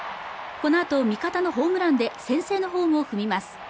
このあと味方のホームランで先制のホームを踏みます